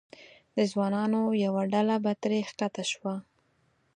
د ځوانانو یوه ډله به ترې ښکته شوه.